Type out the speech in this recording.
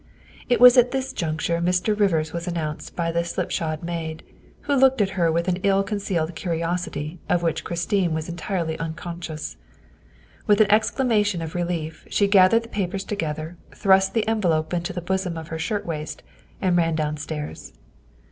It was at this juncture Mr. Rivers was announced by the slipshod maid, who looked at her with an ill con cealed curiosity of which Christine was entirely uncon scious. With an exclamation of relief she gathered the papers together, thrust the envelope into the bosom of her shirtwaist, and ran downstairs.